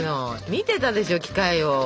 見てたでしょ機械を。